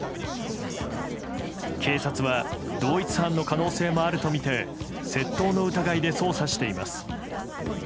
警察は同一犯の可能性もあるとみて窃盗の疑いで捜査しています。